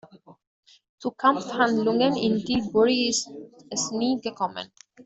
Zu Kampfhandlungen in Tilbury ist es nie gekommen.